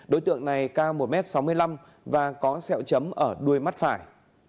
đối tượng này cao một m sáu mươi năm và có sẹo chấm ở đuôi mắt phải